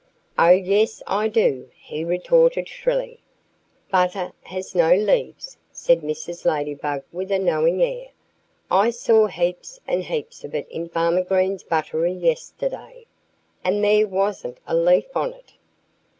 "Oh! yes, I do!" he retorted shrilly. "Butter has no leaves," said Mrs. Ladybug with a knowing air. "I saw heaps and heaps of it in Farmer Green's buttery yesterday. And there wasn't a leaf on it."